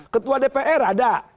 ketua dpr ada